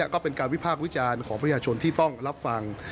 ก็เป็นการวิพากษ์วิจารณ์ของประชาชนที่ต้องรับฟัง